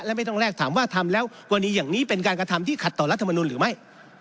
และไม่ต้องแลกถามว่าทำแล้วกรณีอย่างนี้เป็นการกระทำที่ขัดต่อรัฐมนุนหรือไม่